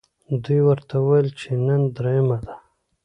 دوی ورته وویل چې نن درېیمه ده.